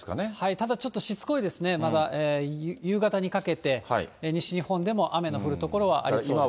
ただちょっとしつこいですね、まだ夕方にかけて、西日本でも雨の降る所はありそうです。